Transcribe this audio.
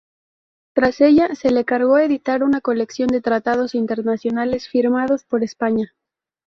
Tras ella, se le encargó editar una colección de tratados internacionales firmados por España.